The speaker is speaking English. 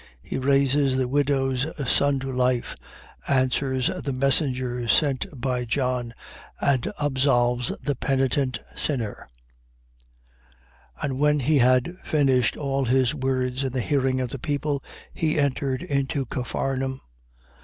He raises the widow's son to life, answers the messengers sent by John and absolves the penitent sinner. 7:1. And when he had finished all his words in the hearing of the people, he entered into Capharnaum. 7:2.